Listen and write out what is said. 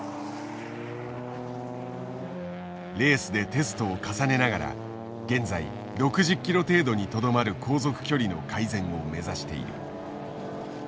レースでテストを重ねながら現在６０ｋｍ程度にとどまる航続距離の改善を目指している。